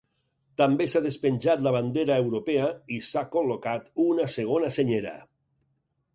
També s’ha despenjat la bandera europea i s’ha col·locat una segona senyera.